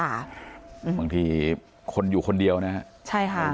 บางทีคนอยู่คนเดียวนะครับ